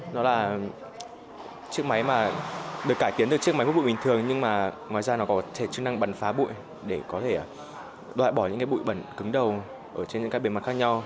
nó là chiếc máy mà được cải tiến từ chiếc máy hút bụi bình thường nhưng mà ngoài ra nó có thể chức năng bắn phá bụi để có thể đoại bỏ những bụi bẩn cứng đầu trên các bề mặt khác nhau